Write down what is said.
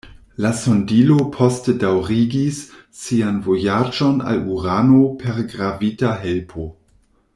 La sondilo poste daŭrigis sian vojaĝon al Urano per gravita helpo.